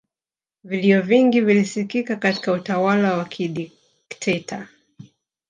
vilio vingi vilisikika katika utawala wa kidikteta